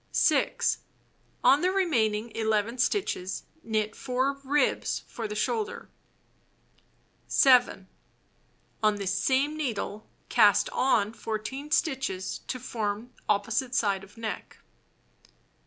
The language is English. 6. On the remaining 11 stitches knit 4 ribs for the shoulder. 7. On this same needle cast on 14 stitches to form opposite side of neck.